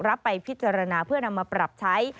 รับไปพิจารณาเพื่อนำมาปรับใช้